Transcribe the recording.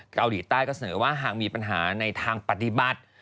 เกาหลีใต้ก็เสนอว่าหากมีปัญหาในทางปฏิบัติ